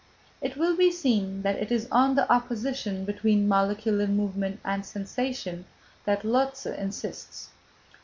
It will be seen that it is on the opposition between molecular movement and sensation, that Lotze insists.